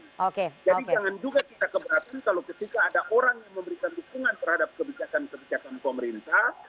jangan juga kita keberatan kalau ketika ada orang yang memberikan dukungan terhadap kebijakan kebijakan pemerintah